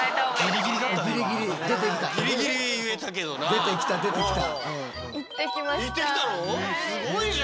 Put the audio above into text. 出てきた出てきた。